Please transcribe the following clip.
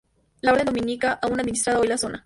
La orden dominica aún administra hoy la zona.